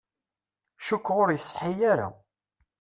Cukkeɣ ur iṣeḥḥi ara.